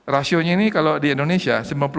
rasionya ini kalau di indonesia